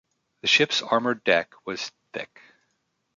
The ship's armored deck was thick.